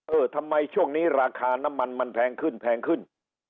เออทำไมช่วงนี้ราคาน้ำมันมันแพงขึ้นแพงขึ้น